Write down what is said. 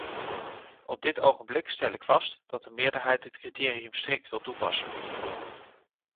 Op dit ogenblik stel ik vast dat een meerderheid het criterium strikt wil toepassen.